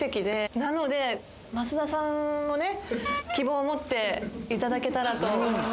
なので、増田さんもね、希望を持っていただけたらと思います。